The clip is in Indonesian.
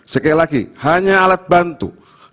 sekali lagi hanya alat bantu